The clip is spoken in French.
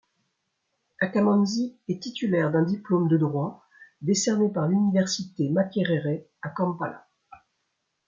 Akamanzi est titulaire d'un diplôme de droit décerné par l'Université Makerere, à Kampala.